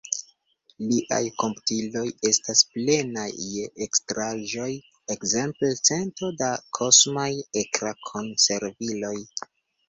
Liaj komputiloj estaj plenaj je ekstraĵoj, ekzemple cento da kosmaj ekrankonserviloj!